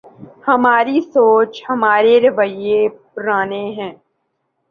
ہماری سوچ ‘ ہمارے رویے پرانے ہیں۔